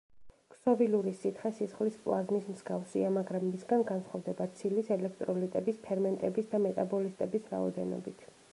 ქსოვილური სითხე სისხლის პლაზმის მსგავსია, მაგრამ მისგან განსხვავდება ცილის, ელექტროლიტების, ფერმენტების და მეტაბოლისტების რაოდენობით.